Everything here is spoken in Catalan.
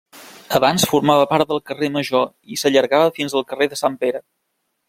Abans formava part del carrer Major i s'allargava fins al carrer de Sant Pere.